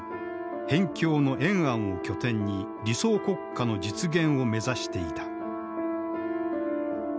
辺境の延安を拠点に理想国家の実現を目指していた。